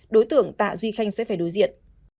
đối tượng tạ duy khanh sẽ phải đối diện